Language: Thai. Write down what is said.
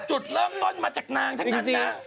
จุดเริ่มต้นมาจากนางทั้งนั้นนะ